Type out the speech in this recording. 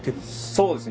そうですね